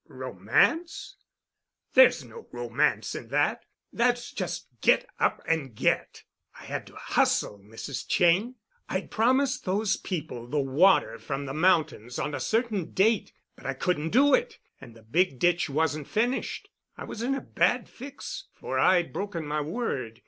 "Romance? There's no romance in that. That's just get up and get. I had to hustle, Mrs. Cheyne. I'd promised those people the water from the mountains on a certain date, but I couldn't do it, and the big ditch wasn't finished. I was in a bad fix, for I'd broken my word.